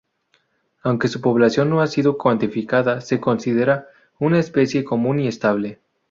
Aunque su población no ha sido cuantificada se considera una especie común y estable.